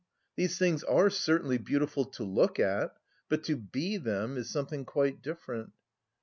These things are certainly beautiful to look at, but to be them is something quite different.